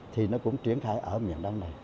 thì nó cũng triển khai ở miền đông này